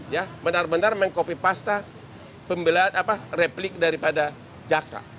ya benar benar main kopi pasta pembelahan replik daripada jaksa